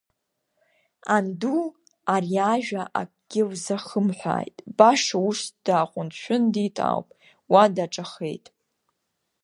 Анду ари ажәа акгьы лзахымҳәааит, баша ус дааҟәндшәындит ауп, уа даҿахеит.